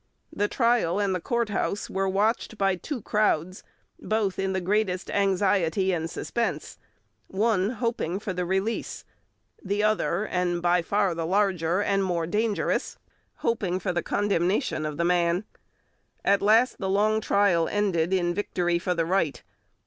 The trial and the courthouse were watched by two crowds, both in the greatest anxiety and suspense, one hoping for the release, the other, and by far the larger and more dangerous, hoping for the condemnation of the man. At last the long trial ended in victory for the right.